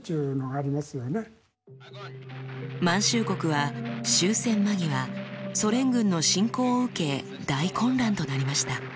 満州国は終戦間際ソ連軍の侵攻を受け大混乱となりました。